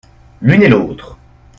L’une et l’autre.